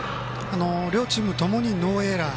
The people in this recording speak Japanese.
両チームともにノーエラー。